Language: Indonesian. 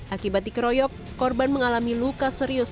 akibat dikeroyok korban mengalami luka serius